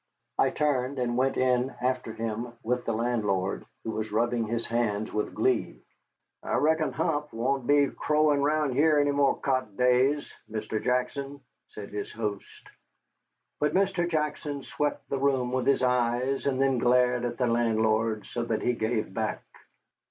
I turned and went in after him with the landlord, who was rubbing his hands with glee. "I reckon Hump won't come crowin' round heah any more co't days, Mr. Jackson," said our host. But Mr. Jackson swept the room with his eyes and then glared at the landlord so that he gave back.